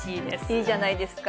いいじゃないですか。